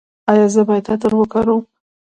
ایا زه باید عطر وکاروم؟